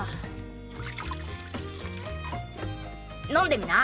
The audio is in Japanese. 飲んでみな。